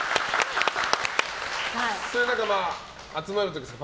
集まる時とかですか？